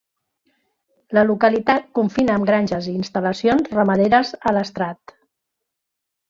La localitat confina amb granges i instal·lacions ramaderes a l'estrat.